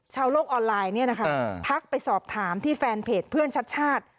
โลกออนไลน์ทักไปสอบถามที่แฟนเพจเพื่อนชัดชาติ